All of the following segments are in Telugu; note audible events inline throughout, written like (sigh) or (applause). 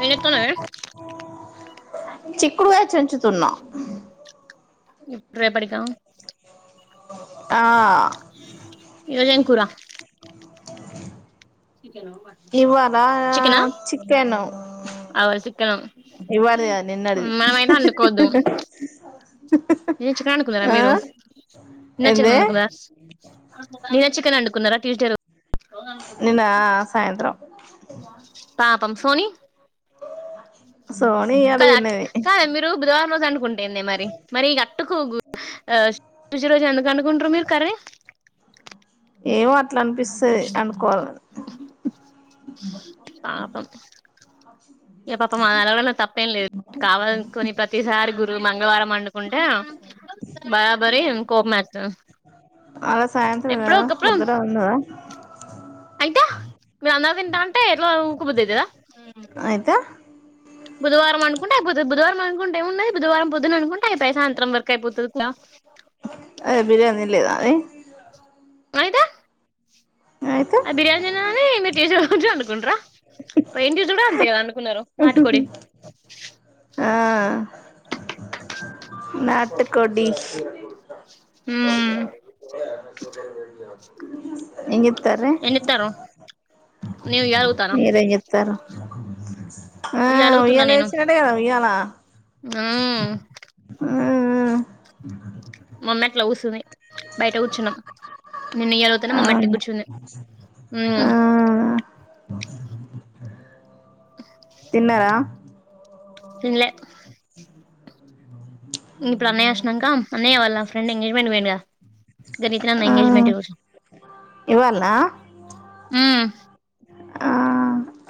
ఏం చేతనవ్ ఆ చిక్కుడుకాయ చెంచుతున్నాం ఇప్పుడ రేపటికా ఆ ఈ రోజు ఏం కూర ఇవార చికెనా చిక్కెన్ అవు చికెన్ ఇవవావడిది నిన్నడిది మనమైతే వండుకోవద్దు చికెన్ అనుకున్నారా మీరు నిన్నచ్చ ఏంది అకున్నారా ని నచ్చ అనుకున్నారా ట్యూస్డే నిన్న సాయంత్రం పాపం ఫోని సోని క ఇయ్యాల తిన్నది కాలే మీరు బుధవ రోజు అనుకుంటాంది మరి మరి ఈ గట్టుకుూచ రోజు ఎందుకు అకుంటారు మీరు కర్రీ ఏమో అట్లా అనిపిస్తుంది అనుకోవాలి పాపం ఏ పాప మా నలగడలో తప్ప ఏం లేదు కావాలనుకుని ప్రతిసారి గురు మంగళవారం వండుకుంటే బరాబరి కో మత్త అలా సాయంత్రం ముదట వన్నద మీరు అంద తింటా అంటే ఎట్లా ఊకపోద్దది కదా అయితే బుధవారం అనుకుంట అయితుంది బుధవారం అకుంటే ఏముంది బుధవారం పొద్దు అనుకుంటేయి సాయంత్రం వర అయిపోతుంది అ బిర్యానీ తిన్లే ఆమె అయితే అయితే ఆ బిర్యానీని మీరు చేసి కొచ్చు అనుకుంటార ఇంటి కూడా అంతే కదా అనుకున్నారు నాటుకోడి ఆ నాటుకోడి హు ఇంగ ఏం చేతనవ్ మీరేం చెతారు ఆ ఉయ్యాల వచ్చినట్టే కదా ఉయ్యాల ఆ ఉమ్ మమ్మ ఎట్లా స్తుంది బయట కూర్చున్నాం నిన్న ఏవవతనా ఆ మా మట్టటి అవును గుచుంది ఆ తిన్నారా ఇలే ఇ ఇప్పుడు అన్నయ్య వచ్చినాక అన్నయ్య వాళ్ళ ఫ్రెండ్ ఎంగేజ్మెంట్ పోయిండు గా (unintelligible) ఆ ఎంగేజ్మెంట్ ఇవాళనా మ్మ్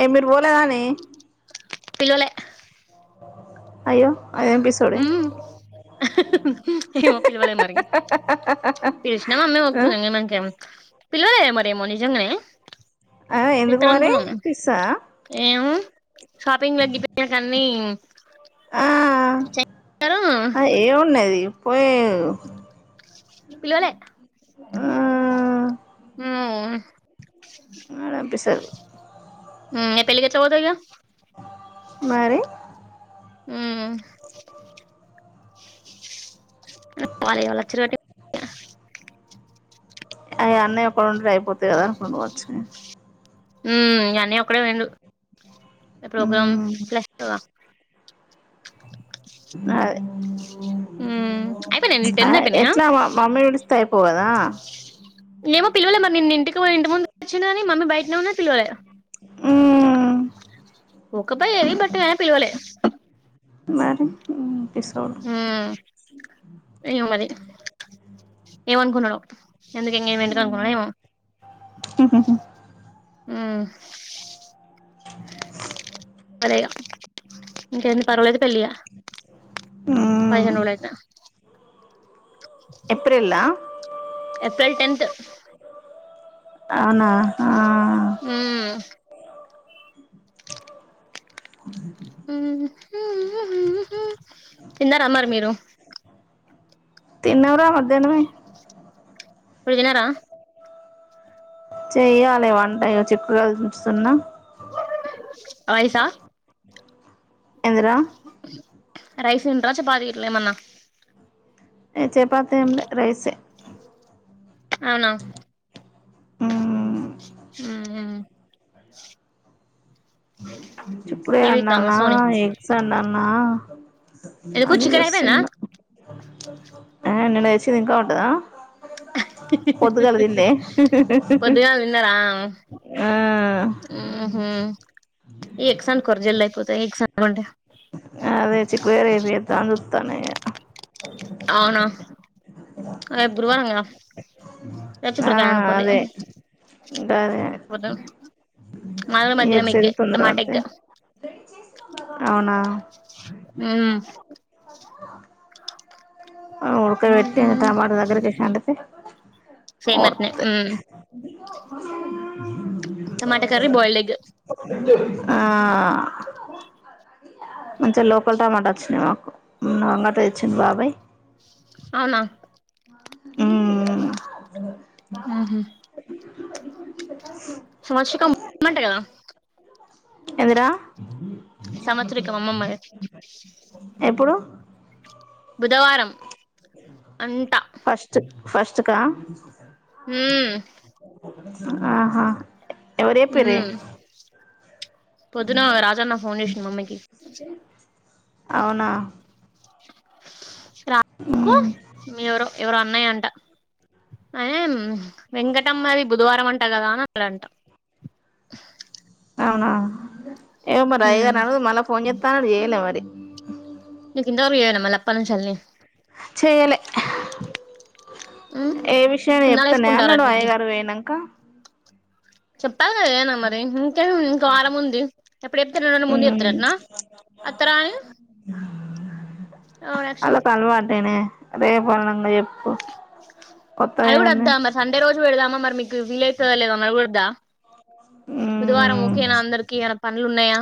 ఏ మీరు బాలేదు అనే పేలవలె అయ్యో అయ ఎపి సోడే మ్మ్ ఏమో పిల్వలే మరి పిలిచిన అమ్మే ఒదు పిల్లలే మరేమో నిజంగానే ఆ ఎందు పోర పిస్సా ఏ సాపింగ్ గి ప కనీ ఆ రు ఆ ఏమున్నాది పోయేదే పిలవలే ఆ ఆ ఆ పంపిస్తాది ఆ పెళ్ళికి ఎట్లా పొందుతావు ఇగా మరి మ్మ్ వాళ్ళు ఇగ వచ్చిరటే వాళ్ళ అన్నయ్య పనులు అయిపోతాయి కదా అని కొండనవాచ్చింది మ్మ్ అన్నయ్య ఒక్కడే పొయిండు ప్రోగ్రామ్ మ్మ్ (unintelligible) ఉమ్ అయిపోయినాయా నీవి టెన్ అయిపోయినాయా ఎట్లా మమ్మీ పిలుసు తయపోవదా ఏమో పిలవలే మరి నిన్న ఇంటికి పొయింటిమి ఆమె వచ్చినాది మమ్మీ బయటనే ఉన్నా పిలవలేదు ఆ ఒక పై ఏమి పట్టలే అని పిలవలే నాకు మ్మ్ ఏమో మరి ఏమనుకున్నాడో ఎందుకి ఇంగ ఏమైందిలే అనుకున్నాడొ ఏమో ఆహ్ ఇంకేంది పర్లేదులేదు పెళ్ళి ఇగ పైగ మ్మ్ నూలయితే ఏప్రిల్లా ఏప్రిల్ టెన్త్ అవునా ఆ అ తిన్నారా మరి మీరు తిన్నార మధ్యాహ్నమే పొయినారా చెయ్యాలి వంట ఇగ చిక్కుడుకాయలు వొలుస్తున్న రైస ఎందిరా రైస్ తింటావా చపాతి కిట్లేమన్నా చపాతీ ఏమ్ లే రైస్ ఏ అవునా ఉమ్ ఆ చిక్కుడ కాయ అన్నామ, చూద్దామా సోనీ ఎగ్స్ అన్నామ ఎందుకు అది చికెన్ అయిపోయిందా చేస్తున్న పొద్దుగాలగ తిన్నార ఆ ఓహొ ఎగ్స్ అనుకొండి జల్ది అయిపొతాయి ఎగ్స్ అనుకొండి అదే చిక్కుడకాయే చేద్దాం అని చూస్తున్న అవును రేపు గురువారం కదా రేపు ఆ చిక్కడకాయ అనుకోండి అదే గదే మాది మధ్యాహ్నం ఎగ్ ఏ నమ్మాట ఎగ్ అవున మ్మ్ ఉరికే బట్టినామ్ (unintelligible) మా దగ్గరకి వండితే సంగట్నే మ్మ్ మాసాలలు ఉన్నాయి (inaudible) టమాటా కర్రీ బాయిల్డ్ ఎగ్ ఆ మంచిగా లోకల్ టమాటా వచ్చినాయి మాకు అంగట్ల తెచ్చిండు బాబాయ్ అవునా మ్మ్ హ్మ్ హు సంవత్సరికం ఉందంట కదా ఏందిరా సంవత్సరికం అమ్మమ్మది ఎప్పుడు బుధవారం అంట ఫస్ట్ ఫస్ట్ కా మ్మ్ ఆహా ఎవరు చెప్పిర్రే మ్మ్ పొద్దున రాజన్న ఫోన్ చేసిండు మమ్మికి అవునా ఉమ్ ఎవరో ఎవరో అన్నయంట అయినమ్ వెంకటమ్మ ది బుధవారం అ అంట గదా ని అట్ల అంట అవునా ఏమె మరి మ్మ్. అయ్యగార్ని అడగు మళ్ళా ఫోన్ చేత్త అన్నడు చేయలే మరి నీకు ఇందాకు చెయ్యాలె మళ్ళ అప్ప నుంచలి చేయ్యలే ఏ విషయాన్ని సున్నాలు చెప్తానే వేసుకుంటారు అన్నడు అన్నింటికి అయ్యగారు పోయిన్నక కదే ఏనా మరి ఇంకేది ఇంకో వారం ఉంది ఎప్పుడు చెప్తారు రెండు రోలా ముందు ఉమ్ చెప్తారటనా అత్రరాయమ్ ఆళ్లకు అలవాటే రేపు పని ఉందా చెప్పు అది కూడా వద్దా కొత్తగేమున్నది అమ్మా సండే రోజు పెడదామా మరి మీకు వీలయితదో లేదో (unintelligible) వద్దా బుధవారం ఉమ్ ఓకేనా అందరికి ఏమైనా పన్లు ఉన్నాయా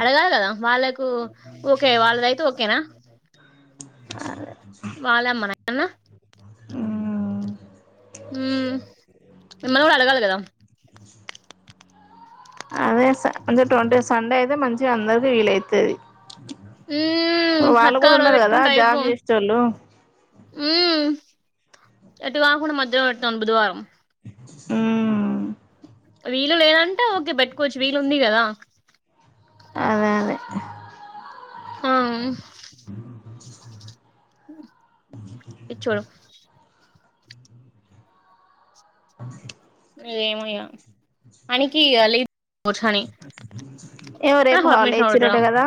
అడగాలి కదా వాళ్ళకు ఓకే వాళ్ళదైతే ఓకేనా వాళ్ళ అమ్మ నటనా హ్మ్ మిమ్మల్ని గుడా అడగాలి కదా అదే స (unintelligible) సండే అయితే మంచిగా అందరికి వీలయితది. మ్మ్ అక్క ఆరోజు కదా పెట్కుంటే అయిపో జాబ్ చేసేటోళ్ళు మ్మ్ ఎటు కాకుండా మధ్యలో పెట్టినం బుధవారం మ్మ్ వీలు లేదంటే ఓకే పెట్కోవచ్చు వీలు ఉంది కదా అదే అదే ఆమ్ ఇచ్చుడు ఏమో ఇగ హనీకి ఇగా లి ఏమో రేపు హాలిడే పర్మిషన్ ఇచ్చిరట అడుగుతదా కదా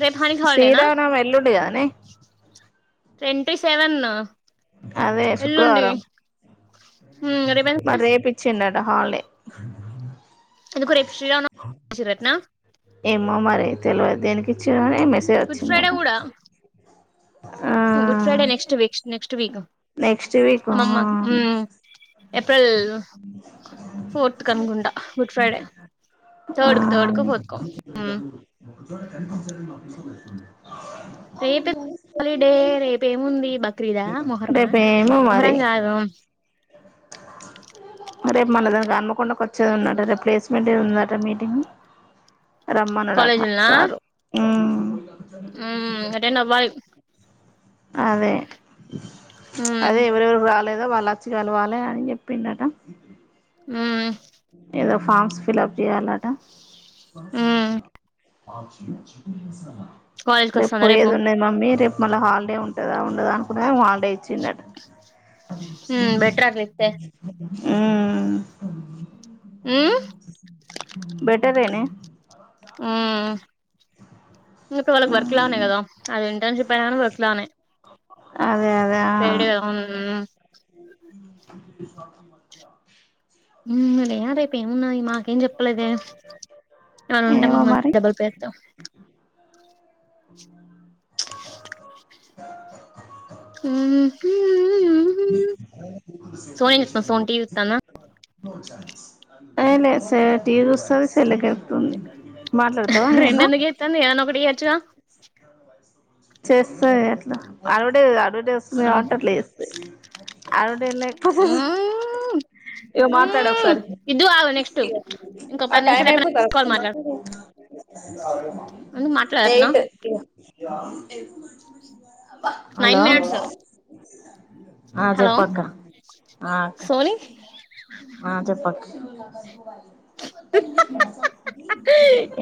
రేపు హనీకి హాలిడే నా శ్రీరామనవమి ఎల్లుండి కదనే ట్వంటీ సెవెన్ అదే ఎల్లుండి శుక్రవారం మ్మ్ రేపు మరి రేపు ఇచ్చిండట హాలిడే ఎందుకు రేపు శ్రీరామనవమి ఇచ్చిరాట్నా ఏమో మరి తెలవదు దేనికి ఇచ్చిరని మెసేజ్ గుడ్ ఫ్రైడే వచ్చిందట కూడా ఆ good Friday next next week next week ఆ మామ మ్మ్ ఎప్పుడెల్లింలు ఫోర్త్ కనుక్కుంటా గుడ్ ఫ్రైడే థర్డ్ కు థర్డ్ కు ఫోర్త్ కు మ్మ్ ఆ రేపే హాలిడే రేపు ఏముంది బక్రీదా మొహరమా రేపు ఏమో మరి మొహరం కాదు రేపు మనదానికి క తకుండా కొ వచ్చేది ఉన్నట రే ప్లేస్మెంట్ ఏ ఉందారా మీటింగ్ రమ్మను డాఠ సారు (unintelligible) బై అదే మ్మ్ అదే ఎవరెవరు రాలా లేదా వాళ్ళుచ్చిగలవాలి అని చెప్పిండట ఉమ్ ఫార్మ్స్ ఫిల్ప్ చేయాలట మ్మ్ కాలేజ్ కి రేపు వస్తాను పోయేది ఉన్నాయి మమ్మీ రేపు మళ్ళా హాలిడే ఉంటదా నుకునే వాడే ఇచ్చిందట మ్మ్ బెటర్ అట్లా ఇస్తే మ్మ్ బెటర్ అనే ఉమ్ ఇ ఇ వాళ్ళ వర్క్ లా ఉనేే మ్మ్ కదా అది ఇంటర్న్షిప్ అయన వర్క్ లానేే అదే అదే ఆ పెడి ఉమ్ వ లేదే ర్పే ఉన్నా మా ఏం చెప్పలేద అన ఉంటే ఏమో మాకు మంచి మరి డబ్బులు పేరుతో సోని చెతా సోని టీ చెతానా అయిలే సల టీ చూస్తుంది చెల్లెకెపుతుంది రెండందుక ఎత్తాన ఒకటి చెయాచుగా చేస్తాయి అట్లా అడవిడే అడవిడే వస్తుంది కాబట్టి అట్లా చేస్తయి అ ఇవ మాట్లాడ ఒకసారి ఇద్దు ఆగు నెక్స్ట్ ఇ ఇంకో పది టైమ్ నిమిషాలు అయిపోయిన అయిపోతా కాల్ మాట్లాడు ఎందుకు మాట్లాడట్నా ఎయిట్ ఇగా హలో నైన్ మినిట్స్ ఆ హలో చెప్పక్క ఆ అక్క సోనీ ఆ చెప్పక్క శిబ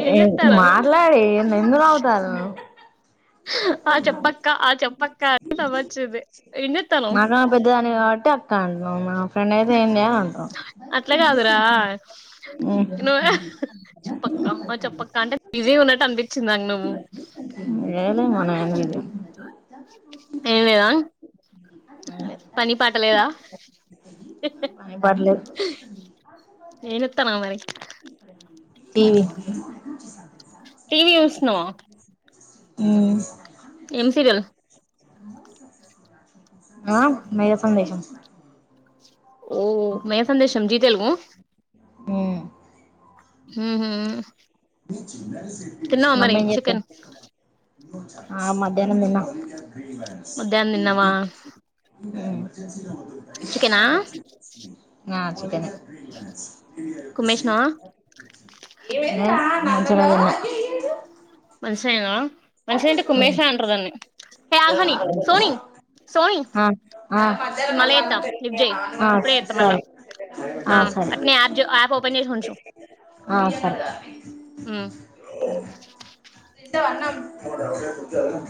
ఏం చెప్తాను మాట్లాడి ఎందులు అవుతారు ఆ చెప్పక్క ఆ చెప్పక్కంత నవ్ వచ్చింది ఎన్నతనం అంటాం మా ఫ్రెడ్ అయితే ఏంయా అంటాం అట్లా ఘధురా ఉమ్ చప్పక్క మా చప్పక్క అంటే ఇజీ ఉన్నట్టు అనిపించింద నువ్వు ఏలే మన (unintelligible) ఎమ్లేధా పనిపాటలేదా (unintelligible) తన మరి టీవీ టీవి చుసినావా ఉమ్ ఎం సీరియల్ ఆ మేఘా సంధేషం ఓ మేఘ సందేశం జీతేల్వ ఉమ్ ఉమ్ హు అమ్మ చికెన్ ఎంజెతంధి ఆ మధ్యాహ్నం తిన్న మధ్యాహ్నం తిన్నావా చికెనా ఆ చతనే ఏ కుమ్మేసినావా న చద మనిష అనా మనిష అంటే కుమ్మేశ తిన్నా అంటారు దాన్ని షా ఆగునె సోని సోని ఆ ఆ నేను మళ్ళ ఎత్తాం లిఫ్ట్ చెయ్ ఆ ఇప్పుడే ఎత్తాం మళ్ళా సరే ఆ అట్నే ఆజో యాప్ ఉంచు ఆ సరే ఉ ఇదో అన్నం ఊరికే కూర్చోలేవా ఏమి